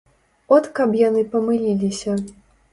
От каб яны памыліліся.